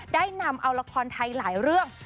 ได้นำเอาละครไทยหลายเรื่อง